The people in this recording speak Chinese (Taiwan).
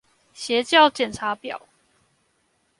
邪教檢查表